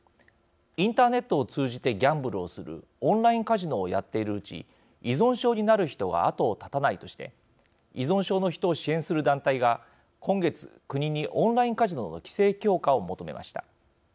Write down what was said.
インターネットを通じてギャンブルをするオンラインカジノをやっているうちに依存症になる人が後を絶たないとして依存症の人を支援する団体が今月、国にオンラインカジノの規制強化を求めました。